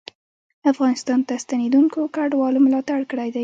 افغانستان ته ستنېدونکو کډوالو ملاتړ کړی دی